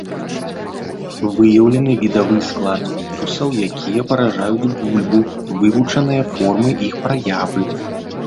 Выяўлены відавы склад вірусаў, якія паражаюць бульбу, вывучаныя формы іх праявы.